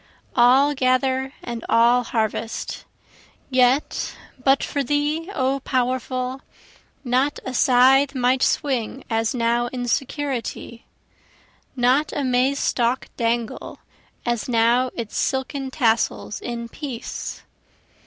All gather and all harvest, Yet but for thee O Powerful, not a scythe might swing as now in security, Not a maize stalk dangle as now its silken tassels in peace.